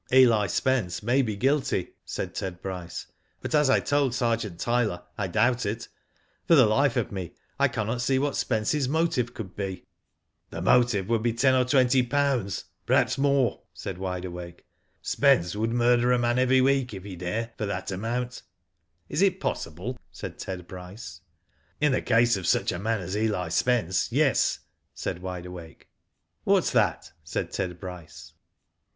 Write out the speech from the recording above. " Eli Spence may be guilty," said Ted Bryce ; *^but as I told Sergeant Tyler, I doubt it. For the life of me I cannot see what Spence's motive could be." "The motive would be ten or twenty pounds Digitized byGoogk I90 WHO DID ITf perhaps more/' said Wide Awake. " Spence would murder a man every week, if he dare, for that amount." "Is it possible?" said Ted Bryce. " In the case of such a man as Eli Spence, yes," said Wide Awake. ''What's that?" said Ted Bryce.